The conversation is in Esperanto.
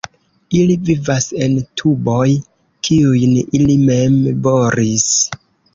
Ili vivas en tuboj, kiujn ili mem boris.